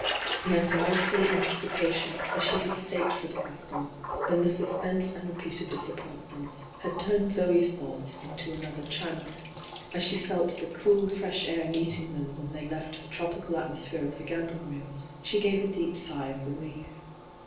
The anxiety, anticipation as she had staked for the Vicomte, then the suspense and repeated disappointments, had turned Zoe's thoughts into another channel. As she felt the cool 6resh air meeting them when they left the tropical atmosphere of the gambling rooms, 8he gave a deep sigh of relief.